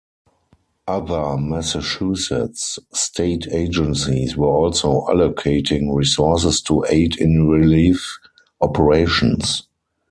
Other Massachusetts state agencies were also allocating resources to aid in relief operations.